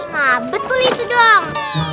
nah betul itu dong